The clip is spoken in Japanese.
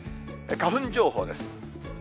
花粉情報です。